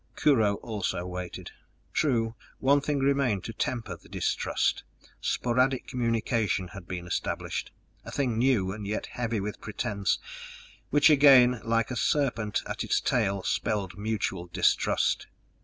Kurho also waited. True, one thing remained to temper the distrust: sporadic communication had been established, a thing new and yet heavy with pretense, which again like a serpent at its tail spelled mutual distrust.